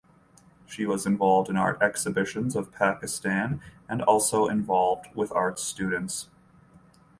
She was involved in art exhibitions of Pakistan and also involved with art students.